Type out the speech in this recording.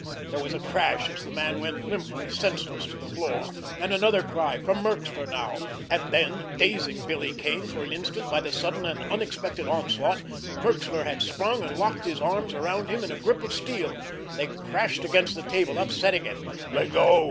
There was a crash as the man went limply, senseless, to the floor, and another cry, from Merxler now, and then, dazing Billy Kane for an instant by the sudden and unexpected onslaught, Merxler had sprung and locked his arms around him in a grip of steel. They crashed against the table, upsetting it. "Let go!"